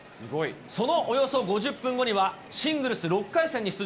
そのおよそ５０分後には、シングルス６回戦に出場。